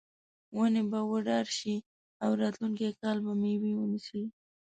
ونې به وډارې شي او راتلونکي کال به میوه ونیسي.